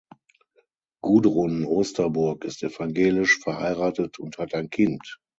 Gudrun Osterburg ist evangelisch, verheiratet und hat ein Kind.